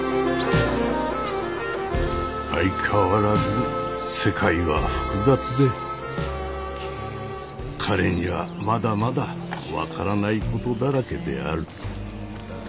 相変わらず世界は複雑で彼にはまだまだ分からないことだらけである。